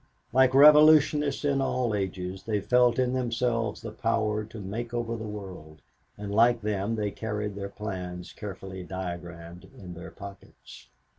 Like revolutionists in all ages they felt in themselves the power to make over the world and like them they carried their plans carefully diagramed in their pockets.